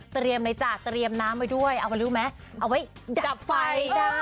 เตรียมไหนจ้ะเตรียมน้ำไว้ด้วยเอาไว้รู้ไหมเอาไว้ดับไฟ